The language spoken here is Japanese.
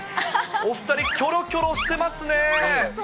お２人、キョロキョロしてますね。